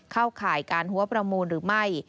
ข่ายการหัวประมูลหรือไม่